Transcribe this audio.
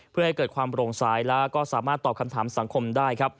เพื่อให้เกิดความโปร่งสายและก็สามารถตอบคำถามสังคมได้ครับ